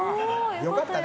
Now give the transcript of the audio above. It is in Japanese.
良かったね。